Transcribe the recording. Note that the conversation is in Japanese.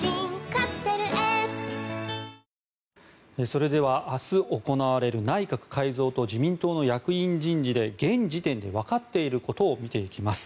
それでは、明日行われる内閣改造と自民党の役員人事で現時点でわかっていることを見ていきます。